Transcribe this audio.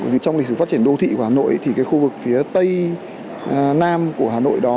vì trong lịch sử phát triển đô thị của hà nội thì cái khu vực phía tây nam của hà nội đó